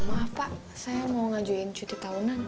maaf pak saya mau ngajuin cuti tahunan